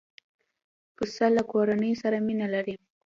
پسه له کورنۍ سره مینه لري.